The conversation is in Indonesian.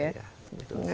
ya lebih mahal